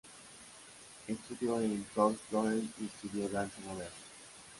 Estudió en "Cours Florent" y estudió danza moderna.